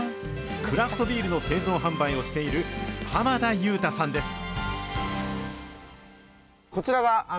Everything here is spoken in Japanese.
クラフトビールの製造販売をしている、濱田祐太さんです。